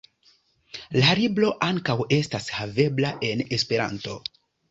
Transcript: La libro ankaŭ estas havebla en Esperanto.